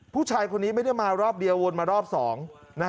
ผู้ชายคนนี้ไม่ได้มารอบเดียววนมารอบสองนะฮะ